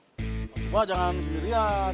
coba jangan sendirian